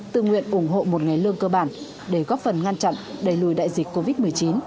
tự nguyện ủng hộ một ngày lương cơ bản để góp phần ngăn chặn đẩy lùi đại dịch covid một mươi chín